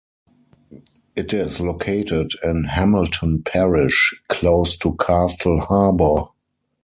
It is located in Hamilton Parish, close to Castle Harbour.